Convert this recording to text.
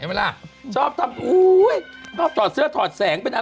พี่จะเล่าให้ฉันฟังเลยมีแต่แบบจะตบกูทั้งวันเลยบอกขอกินหน่อยสิ